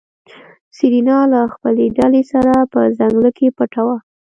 سېرېنا له خپلې ډلې سره په ځنګله کې پټه وه.